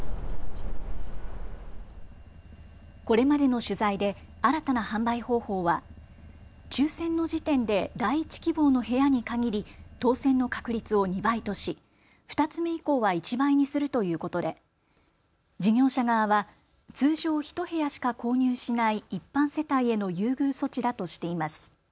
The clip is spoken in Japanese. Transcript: これまでの取材で新たな販売方法は抽せんの時点で第１希望の部屋に限り当せんの確率を２倍とし２つ目以降は１倍にするということで事業者側は通常１部屋しか購入しない一般世帯への優遇措置だとしています。